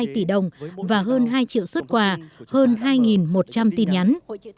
năm mươi một hai tỷ đồng và hơn hai triệu xuất quà hơn hai một trăm linh tin nhắn